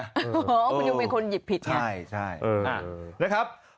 อ๋อคุณลุงเป็นคนหยิบผิดใช่ใช่